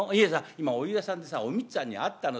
今お湯屋さんでさお光つぁんに会ったのさ。